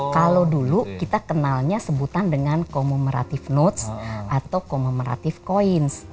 kalau dulu kita kenalnya sebutan dengan commumerative notes atau commerative coins